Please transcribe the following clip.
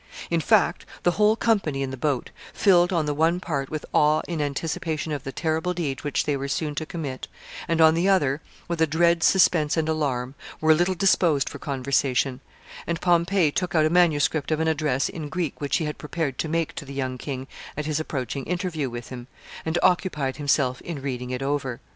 In fact, the whole company in the boat, filled on the one part with awe in anticipation of the terrible deed which they were soon to commit, and on the other with a dread suspense and alarm, were little disposed for conversation, and Pompey took out a manuscript of an address in Greek which he had prepared to make to the young king at his approaching interview with him, and occupied himself in reading it over.